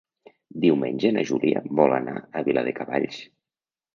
Diumenge na Júlia vol anar a Viladecavalls.